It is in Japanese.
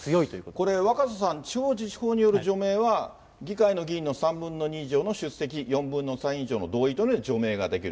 これ、若狭さん、地方自治法による除名は、議会の議員の３分の２以上の出席、４分の３以上の同意で除名ができる。